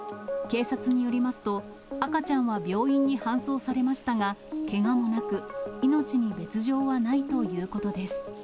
警察によりますと、赤ちゃんは病院に搬送されましたが、けがもなく、命に別状はないということです。